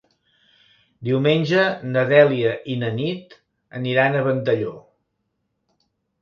Diumenge na Dèlia i na Nit aniran a Ventalló.